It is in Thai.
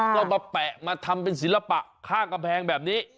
ก็มาแปะมาทำเป็นศิลปะข้างกำแพงแบบนี้